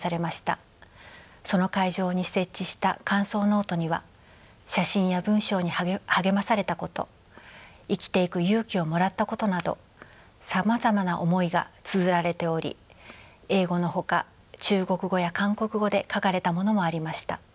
その会場に設置した感想ノートには写真や文章に励まされたこと生きていく勇気をもらったことなどさまざまな思いがつづられており英語のほか中国語や韓国語で書かれたものもありました。